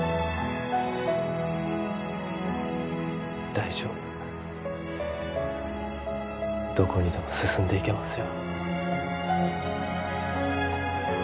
大丈夫どこにでも進んでいけますよ